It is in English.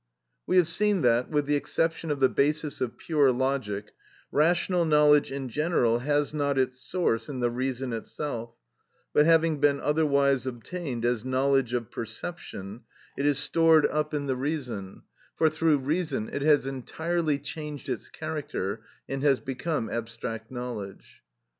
We have seen that, with the exception of the basis of pure logic, rational knowledge in general has not its source in the reason itself; but having been otherwise obtained as knowledge of perception, it is stored up in the reason, for through reason it has entirely changed its character, and has become abstract knowledge.